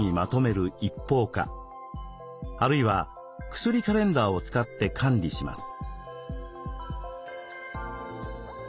あるいは薬カレンダーを使って管理します。